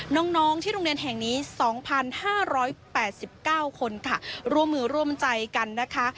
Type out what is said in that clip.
น้องน้องที่โรงเรียนแห่งนี้สองพันห้าร้อยแปดสิบเก้าคนค่ะร่วมมือร่วมใจกันนะคะ